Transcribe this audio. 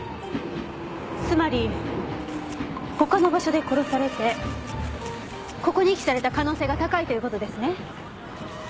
つまり他の場所で殺されてここに遺棄された可能性が高いということですね。